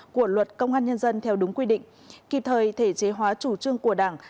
của luật công an nhân dân theo đúng quy định kịp thời thể chế hóa chủ trương của đảng